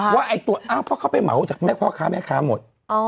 ว่าไอ้ตัวเขาไปเหมาจากแม่ค้าหมด